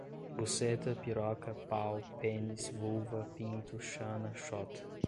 Buceta, piroca, pau, pênis, vulva, pinto, xana, xota